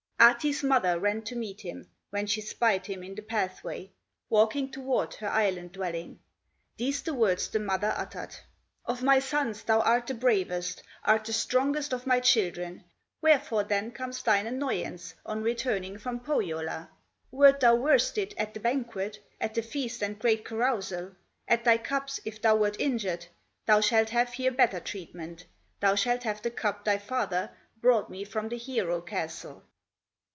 Ahti's mother ran to meet him, When she spied him in the pathway, Walking toward her island dwelling; These the words the mother uttered: "Of my sons thou art the bravest, Art the strongest of my children; Wherefore then comes thine annoyance, On returning from Pohyola? Wert thou worsted at the banquet, At the feast and great carousal? At thy cups, if thou wert injured, Thou shalt here have better treatment, Thou shalt have the cup thy father Brought me from the hero castle."